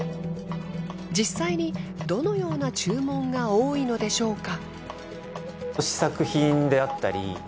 実際にどのような注文が多いのでしょうか？